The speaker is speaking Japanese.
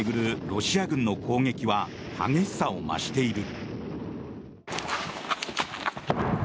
ロシア軍の攻撃は激しさを増している。